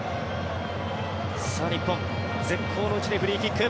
さあ、日本絶好の位置でフリーキック。